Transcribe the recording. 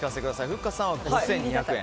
ふっかさんは５２００円。